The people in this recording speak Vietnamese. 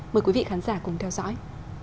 mời quý vị khán giả cùng theo dõi